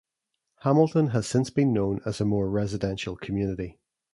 Hamilton has since been known more as a residential community.